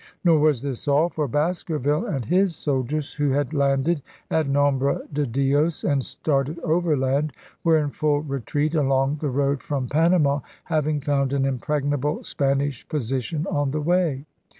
Nor was this all, for Baskerville and his soldiers, who had landed at Nombre de Dios and started overland, were in full retreat along the road from Panama, having found an impregnable Spanish position on the way.